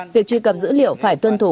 việc truy cập dữ liệu phải tuân thủ